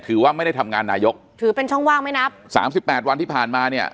ถือว่าไม่ได้ทำงานนายกถือเป็นช่องว่างไม่นับสามสิบแปดวันที่ผ่านมาเนี่ย